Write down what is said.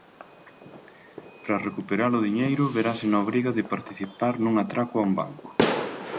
Para recuperar o diñeiro verase na obriga de participar nun atraco a un banco.